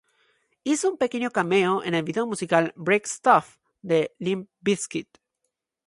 Hizo un pequeño cameo en el vídeo musical "Break Stuff" de Limp Bizkit.